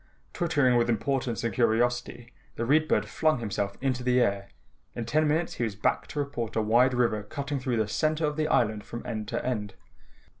Twittering with importance and curiosity, the Read Bird flung himself into the air. In ten minutes he was back to report a wide river cutting through the center of the island from end to end.